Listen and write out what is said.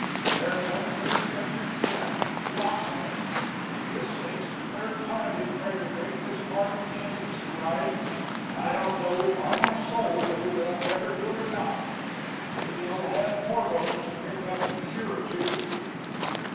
"They're comin' to this country ag'in, flocks of 'em. This makes the third time they've tried to break this part of Kansas to ride, and I don't know, on my soul, whether they'll ever do it or not. Maybe I'll have more bones to pick up in a year or two."